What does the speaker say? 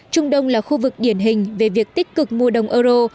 trung đông là khu vực điển hình về việc tích cực mua đồng euro